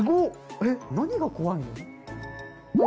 え何が怖いの？